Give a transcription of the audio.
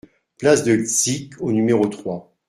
Place de Trzic au numéro trois